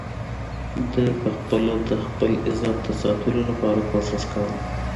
ده په خپله د خپل عزت د ساتلو لپاره کوشش کاوه.